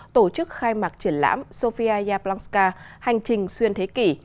tổ chức khai mạc triển lãm sofia yablanska hành trình xuyên thế kỷ